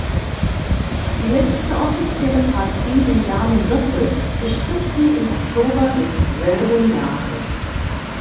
Die letzte offizielle Partie im Damendoppel bestritt sie im Oktober desselben Jahres.